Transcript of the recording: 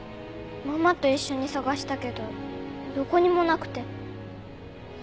ママと一緒に捜したけどどこにもなくて。